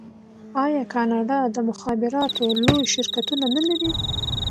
آیا کاناډا د مخابراتو لوی شرکتونه نلري؟